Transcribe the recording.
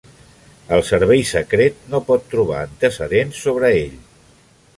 El servei secret no pot trobar antecedents sobre ell.